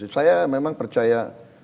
saya memang percaya